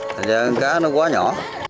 thành ra con cá nó quá nhỏ